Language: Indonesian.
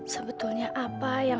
sebetulnya apa yang